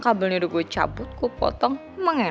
kayaknya baiknya mereka berdua tuh juga bisa janji semuanya